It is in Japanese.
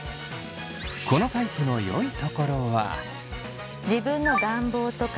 このタイプのよいところは。